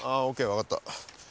分かった。